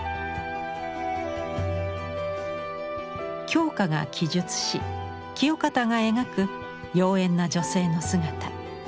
鏡花が記述し清方が描く妖艶な女性の姿。